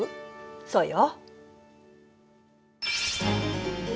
そうよ。